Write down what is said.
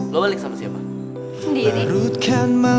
lu balik sama siapa